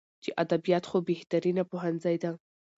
چې ادبيات خو بهترينه پوهنځۍ ده.